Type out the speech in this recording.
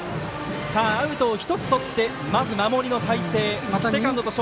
アウトを１つとってまず守りの態勢。